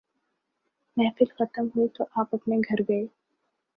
محفل ختم ہوئی تو آپ اپنے گھر گئے۔